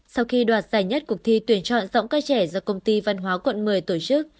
sau khi đoạt giải nhất cuộc thi tuyển chọn giọng ca trẻ do công ty văn hóa quận một mươi tổ chức